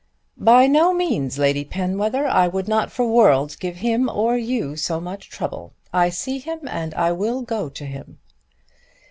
"By no means, Lady Penwether. I would not for worlds give him or you so much trouble. I see him and I will go to him."